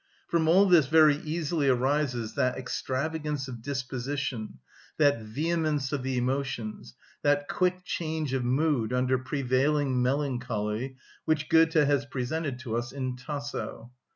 From all this very easily arises that extravagance of disposition, that vehemence of the emotions, that quick change of mood under prevailing melancholy, which Goethe has presented to us in Tasso.